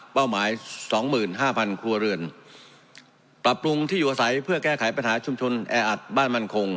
หมายสองหมื่นห้าพันครัวเรือนปรับปรุงที่อยู่อาศัยเพื่อแก้ไขปัญหาชุมชนแออัดบ้านมั่นคง